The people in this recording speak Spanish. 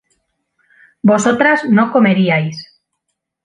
vosotras no comeríais